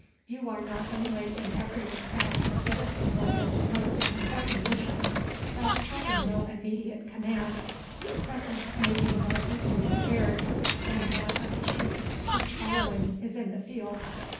You are not only in every respect the fittest for this most important mission, but, having no immediate command, your presence may be more easily spared than that of a Chief whose following is in the field.